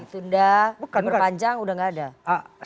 ditunda diperpanjang sudah tidak ada